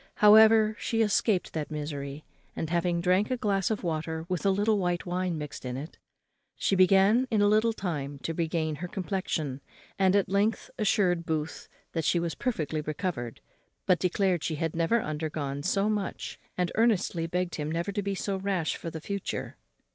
However, she escaped that misery, and, having drank a glass of water with a little white wine mixed in it, she began in a little time to regain her complexion, and at length assured Booth that she was perfectly recovered, but declared she had never undergone so much, and earnestly begged him never to be so rash for the future.